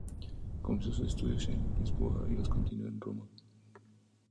Comenzó sus estudios en Lisboa y los continuó en Roma.